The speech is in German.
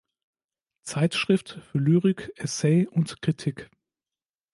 Zeitschrift für Lyrik, Essay und Kritik.